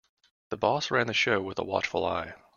The boss ran the show with a watchful eye.